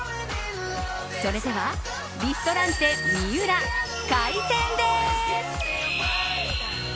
それではリストランテＭＩＵＲＡ開店です。